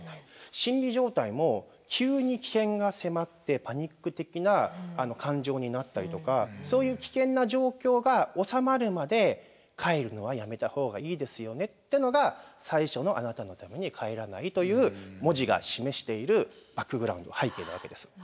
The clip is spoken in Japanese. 心理状態も急に危険が迫ってパニック的な感情になったりとかそういう危険な状況が収まるまで帰るのはやめた方がいいですよねっていうのが最初の「あなたのために、帰らない」という文字が示しているバックグラウンド背景なわけです。